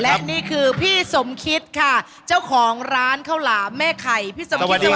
และนี่คือพี่สมคิดค่ะเจ้าของร้านข้าวหลามแม่ไข่พี่สมคิดเสมอ